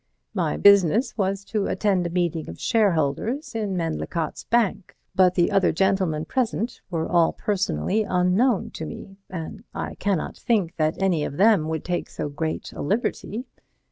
My business was to attend a meeting of shareholders in Medlicott's Bank, but the other gentlemen present were all personally unknown to me, and I cannot think that any of them would take so great a liberty.